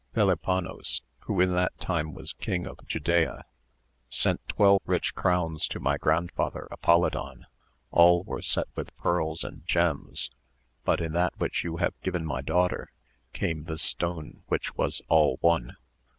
— Felipanos, who in that time was king of Judea, sent twelve rich crowns to my grandfather Apolidon ; all were set with pearls and gems, but in that which you have given my daughter came this stone which was all one.